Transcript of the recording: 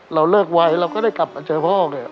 เราเลิกไว้เราก็ได้กลับมาเจอพ่อไง